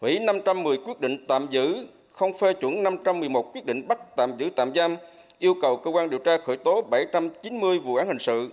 xử lý năm trăm một mươi quyết định tạm giữ không phê chuẩn năm trăm một mươi một quyết định bắt tạm giữ tạm giam yêu cầu cơ quan điều tra khởi tố bảy trăm chín mươi vụ án hình sự